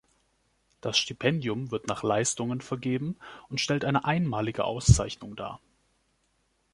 Das Stipendium wird nach Leistungen vergeben und stellt eine einmalige Auszeichnung dar.